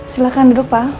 silahkan duduk pak